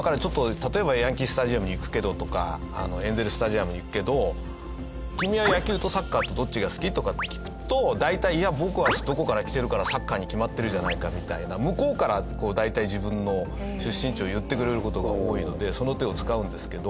例えば「ヤンキースタジアムに行くけど」とか「エンゼルスタジアムに行くけど君は野球とサッカーとどっちが好き？」とかって聞くと大体「僕はどこから来てるからサッカーに決まってるじゃないか」みたいな向こうから大体自分の出身地を言ってくれる事が多いのでその手を使うんですけど。